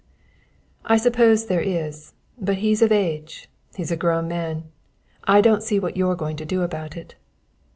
"I suppose there is; but he's of age; he's a grown man. I don't see what you're going to do about it."